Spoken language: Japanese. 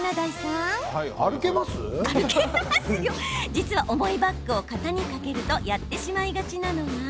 実は、重いバッグを肩にかけるとやってしまいがちなのが。